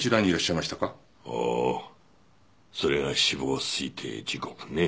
ほうそれが死亡推定時刻ね。